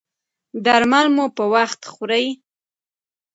درمل مو په وخت خورئ؟